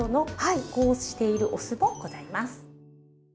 加工しているお酢もございます。